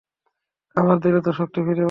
খাবার দিলে তো শক্তি ফিরে পাবে।